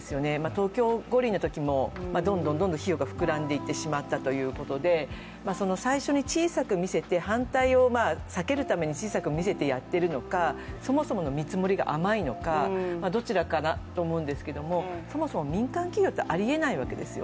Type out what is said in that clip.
東京五輪のときもどんどん費用が膨らんでいってしまったということでその最初に小さく見せて反対を避けるために小さく見せてやっているのか、そもそもの見積もりが甘いのか、どちらかなと思うんですけど、そもそも民間企業ではありえないわけですよ。